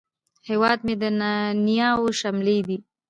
هیواد مې د نیاوو شملې دي